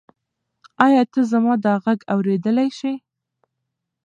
ایا ته زما دا غږ اورېدلی شې؟